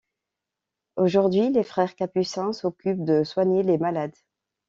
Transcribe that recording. Aujourd'hui les frères capucins s'occupent de soigner les malades.